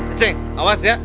acing awas ya